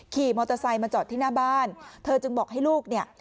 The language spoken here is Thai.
ขี่มอเตอร์ไซค์มาจอดที่หน้าบ้านเธอจึงบอกให้ลูกเนี่ย